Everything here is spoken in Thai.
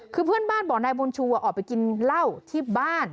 คือเพื่อนบ้านบอกนายบุญชูออกไปกินเหล้าที่บ้าน